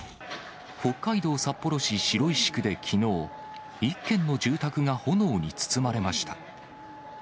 北海道札幌市白石区できのう、一軒の住宅が炎に包まれました。